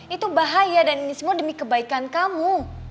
itu bahaya dan ini semua demi kebaikan kamu